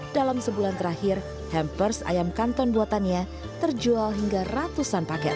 dalam sebulan terakhir hampers ayam kanton buatannya terjual hingga ratusan paket